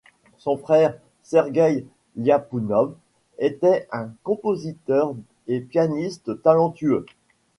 Son frère, Sergueï Liapounov, était un compositeur et pianiste talentueux.